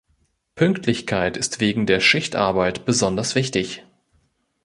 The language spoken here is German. Pünktlichkeit ist wegen der Schichtarbeit besonders wichtig.